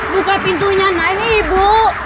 buka pintunya nani ibu